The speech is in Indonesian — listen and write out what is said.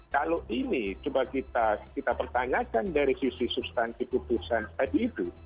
kalau ini coba kita pertanyakan dari sisi substansi putusan tadi itu